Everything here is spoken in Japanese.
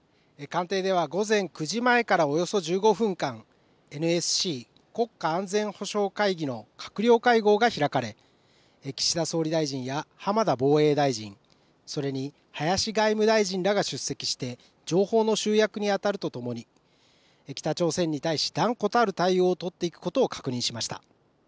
官邸では午前９時前からおよそ１５分間、ＮＳＣ・国家安全保障会議の閣僚会合が開かれ岸田総理大臣や浜田防衛大臣、それに林外務大臣らが出席して情報の集約にあたるとともに北朝鮮に対し断固たる対応を取っていくことを確認しました。